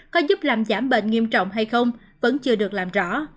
có giúp làm giảm bệnh nghiêm trọng hay không vẫn chưa được làm rõ